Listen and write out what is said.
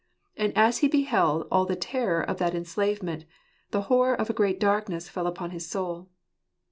And as he beheld all the terror of that enslavement, the horror of a great darkness fell upon his soul.